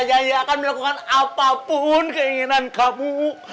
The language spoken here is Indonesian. nyanyi akan melakukan apapun keinginan kamu